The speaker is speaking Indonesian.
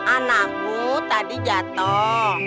anakmu tadi jatuh